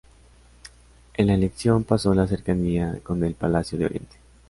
En la elección pesó la cercanía con el palacio de Oriente.